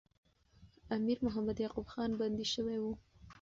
امیر محمد یعقوب خان بندي سوی وو.